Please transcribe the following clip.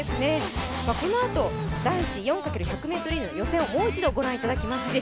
このあと男子４×１００リレーの予選をもう一度ご覧になりますし